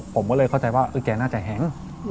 ผมก็เลยเข้าใจว่าแกน่าจะแห้ง